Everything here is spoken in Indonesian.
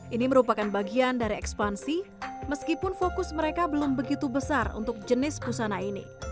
ini merupakan bagian dari ekspansi meskipun fokus mereka belum begitu besar untuk jenis pusana ini